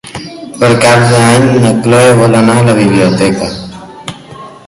Per Cap d'Any na Cloè vol anar a la biblioteca.